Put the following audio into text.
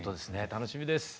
楽しみです。